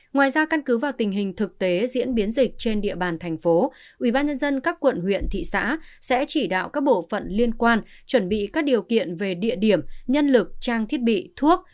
ngoài ra căn cứ vào tình hình thực tế diễn biến dịch trên địa bàn thành phố ubnd các quận huyện thị xã sẽ chỉ đạo các bộ phận liên quan chuẩn bị các điều kiện về địa điểm nhân lực trang thiết bị thuốc